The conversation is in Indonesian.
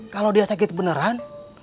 kalau dia sakit beneran